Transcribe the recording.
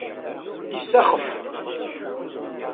Isaxef.